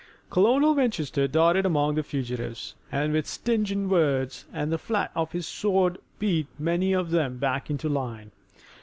Colonel Winchester darted among the fugitives and with stinging words and the flat of his sword beat many of them back into line.